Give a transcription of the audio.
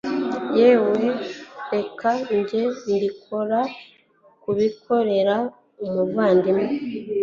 Yewe reka njye mbikora nkubikorera umuvandimwe